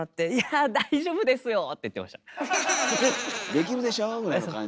「できるでしょ」ぐらいの感じの。